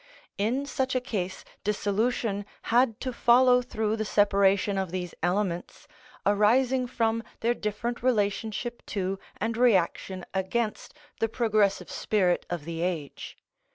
In such a case dissolution had to follow through the separation of these elements, arising from their different relationship to and reaction against the progressive spirit of the age.